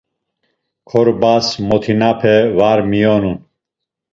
Korbas motinape var miyonun.